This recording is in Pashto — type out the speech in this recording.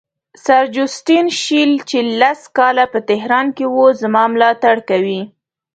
سر جوسټین شیل چې لس کاله په تهران کې وو زما ملاتړ کوي.